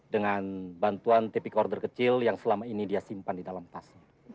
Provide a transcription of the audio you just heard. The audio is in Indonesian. dengan bantuan tipikorder kecil yang selama ini dia simpan di dalam tas